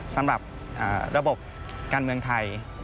สำหรับระบบการเมืองไทย